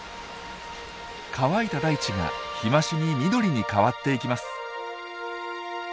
乾いた大地が日増しに緑に変わっていきます。